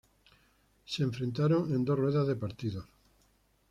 Se enfrentaron en dos ruedas de partidos.